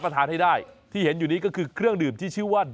ทานให้ได้ที่เห็นอยู่นี้ก็คือเครื่องดื่มที่ชื่อว่า